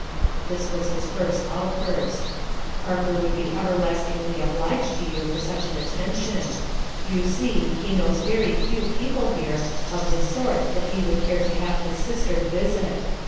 this was his first outburst. "Parker would be everlast ingly obliged to you for such an attention. You see he knows very few people here of the sort that he would care to have his sister visit.